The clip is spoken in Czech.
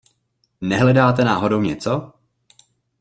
Nehledáte náhodou něco?